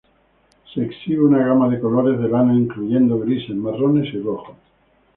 Se exhibe una gama de colores de lana, incluyendo grises, marrones y rojo.